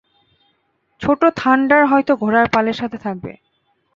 ছোট্ট থান্ডার হয়তো ঘোড়ার পালের সাথে থাকবে।